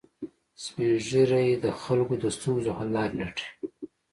سپین ږیری د خلکو د ستونزو حل لارې لټوي